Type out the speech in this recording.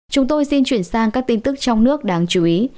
chúng tôi xin chuyển sang các tin tức trong nước đáng chú ý